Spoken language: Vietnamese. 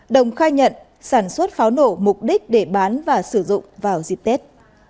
đồng khai nhận sản xuất pháo nổ mục đích để bán và sử dụng vào dịp tết